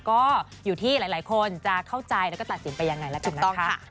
ก็อยู่ที่หลายคนจะเข้าใจแล้วก็ตัดสินไปยังไงแล้วกันนะคะ